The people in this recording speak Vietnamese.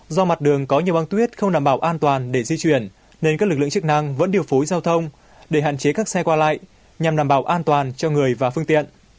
do mặt đường có nhiều băng tuyết không đảm bảo an toàn để di chuyển nên các lực lượng chức năng vẫn điều phối giao thông để hạn chế các xe qua lại nhằm đảm bảo an toàn cho người và phương tiện